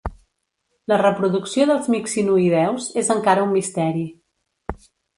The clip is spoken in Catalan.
La reproducció dels mixinoïdeus és encara un misteri.